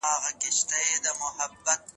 تاسي چيري سواست چي پرون مو پوښتنه ونه کړه؟